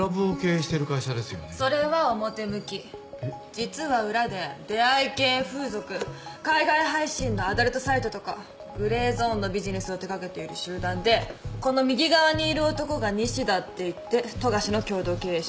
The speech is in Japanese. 実は裏で出会い系風俗海外配信のアダルトサイトとかグレーゾーンのビジネスを手掛けている集団でこの右側にいる男が西田っていって富樫の共同経営者。